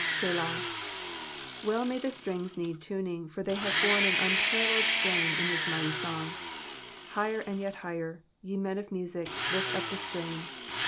^/aA." Well may the strings need tuning, they have borne an unparalleled strain in this mighty song. Higher and yet higher, ye men of music, lift up the strain.